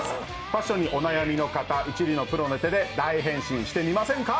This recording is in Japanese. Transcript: ファッションのお悩みの方、一流のプロの手で大変身してみませんか。